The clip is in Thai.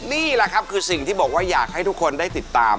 นี่แหละครับคือสิ่งที่บอกว่าอยากให้ทุกคนได้ติดตาม